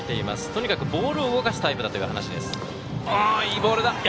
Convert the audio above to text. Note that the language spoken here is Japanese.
とにかくボールを動かすタイプだという話です。